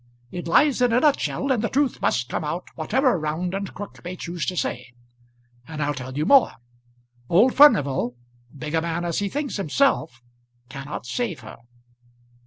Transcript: It lies in a nutshell, and the truth must come out whatever Round and Crook may choose to say. And I'll tell you more old Furnival, big a man as he thinks himself, cannot save her."